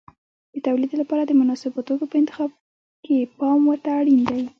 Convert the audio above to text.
د تولید لپاره د مناسبو توکو په انتخاب کې پام ورته اړین دی.